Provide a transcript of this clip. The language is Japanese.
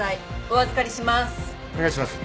お預かりします。